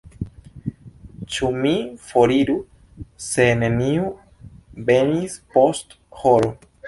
Ĉu mi foriru se neniu venis post horo?